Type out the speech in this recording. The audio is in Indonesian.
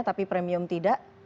tapi premium tidak